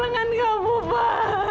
aku akan kehilangan kamu pak